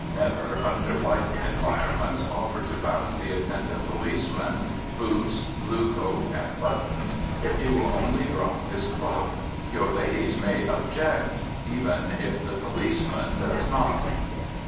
Never, under like environments, offer to bounce the attendant policeman, boots, blue coat and buttons, if he will only drop his club. Your ladies may object, if the policeman does not.